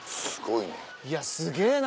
いやすげぇな。